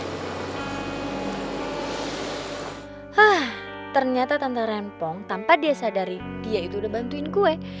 tante rempong ternyata tanpa dia sadari dia itu udah bantuin gue